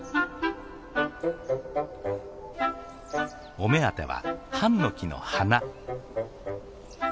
お目当てはハンノキの花。